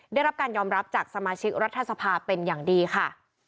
ได้รับการยอมรับจากสมาชิกรัฐสภาเป็นอย่างดีค่ะ